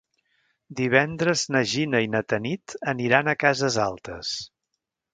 Divendres na Gina i na Tanit aniran a Cases Altes.